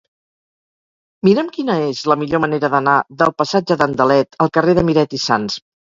Mira'm quina és la millor manera d'anar del passatge d'Andalet al carrer de Miret i Sans.